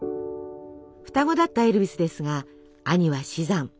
双子だったエルヴィスですが兄は死産。